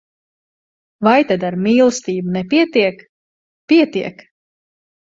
Vai tad ar mīlestību nepietiek? Pietiek!